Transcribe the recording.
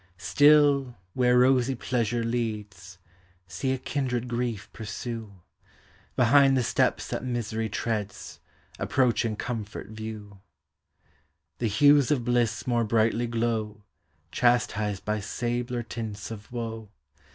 Still, where rosy pleasure leads. See a kindred grief pursue; Behind the steps thai misery treads Approaching comforl view: The hues of bliss more brightly glow Chastised by sabler tints of woe.